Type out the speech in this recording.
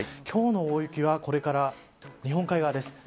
今日の大雪はこれから日本海側です。